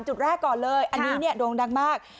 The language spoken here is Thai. จุดแรกก่อนเลยอันนี้เนี่ยโด่งดังมาก